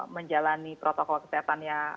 menjalani protokol kesehatannya